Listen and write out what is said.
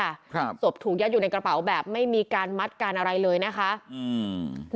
ครับศพถูกยัดอยู่ในกระเป๋าแบบไม่มีการมัดการอะไรเลยนะคะอืม